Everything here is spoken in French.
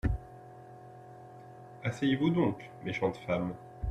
Asseyez-vous donc, méchante femme.